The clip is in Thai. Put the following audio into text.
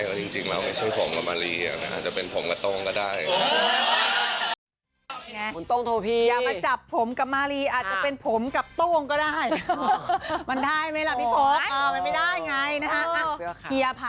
เพราะจริงมันไม่ใช่ผมกับมารีอ่ะ